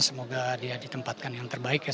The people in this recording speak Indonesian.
semoga dia ditempatkan yang terbaik ya